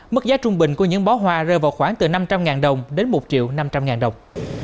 mức giá trung bình của những bó hoa rơi vào khoảng từ năm trăm linh đồng đến một triệu năm trăm linh ngàn đồng